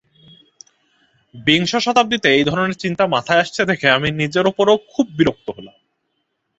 বিংশ শতাব্দীতে এই ধরনের চিন্তা মাথায় আসছে দেখে আমি নিজের ওপরও বিরক্ত হলাম।